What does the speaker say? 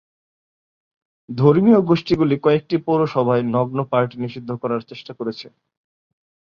ধর্মীয় গোষ্ঠীগুলি কয়েকটি পৌরসভায় নগ্ন পার্টি নিষিদ্ধ করার চেষ্টা করেছে।